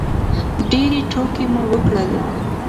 ډېرې ټوکې مو وکړلې